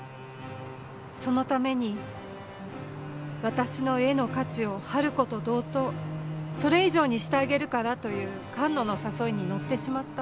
そのために私の絵の価値を春子と同等それ以上にしてあげるからという菅野の誘いにのってしまった。